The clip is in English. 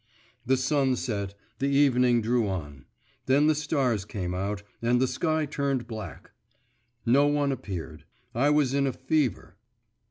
The sun set, the evening drew on; then the stars came out, and the sky turned black. No one appeared. I was in a fever.